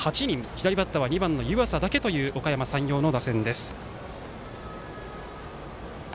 左バッターは２番の湯淺だけというおかやま山陽の打線です。